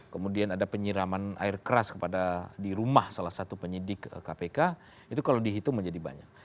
kemudian ada penyiraman air keras kepada di rumah salah satu penyidik kpk itu kalau dihitung menjadi banyak